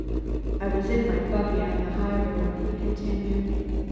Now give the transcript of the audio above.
"I was in my buggy on the highroad," he continued.